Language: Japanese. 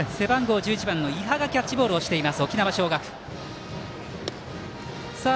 背番号１１番の伊波がキャッチボールをしています。